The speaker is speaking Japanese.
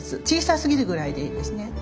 小さすぎるぐらいでいいですね。